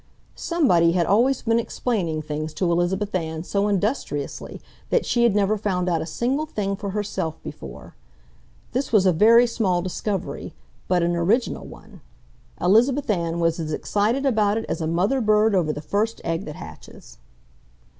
Somebody had always been explaining things to Elizabeth Ann so industriously that she had never found out a single thing for herself before. This was a very small discovery, but an original one. Elizabeth Ann was as excited about it as a mother bird over the first egg that hatches.